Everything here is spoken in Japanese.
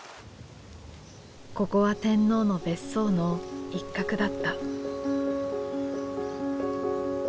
ここは天皇の別荘の一角だった。